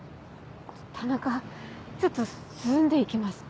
田中ちょっと涼んで行きます。